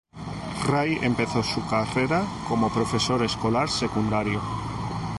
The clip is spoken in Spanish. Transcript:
Rai empezó su carrera como profesor escolar secundario.